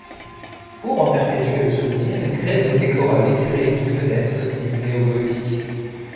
Pour en perpétuer le souvenir, Greno décora l'écurie d'une fenêtre de style néo-gothique.